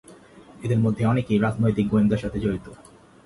এদের মধ্যে অনেকেই "রাজনৈতিক গোয়েন্দা"র সাথে জড়িত।